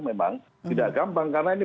memang tidak gampang karena ini